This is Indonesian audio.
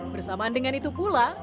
bersamaan dengan itu pula